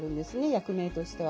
役名としては。